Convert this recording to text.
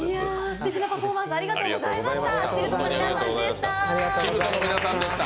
すてきなパフォーマンスありがとうございました。